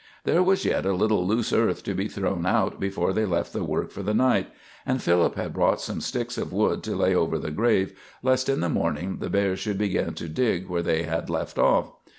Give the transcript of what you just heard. There was yet a little loose earth to be thrown out before they left the work for the night, and Philip had brought some sticks of wood to lay over the grave lest in the morning the bear should begin to dig where they had left off.